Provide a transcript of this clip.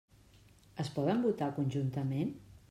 Es poden votar conjuntament?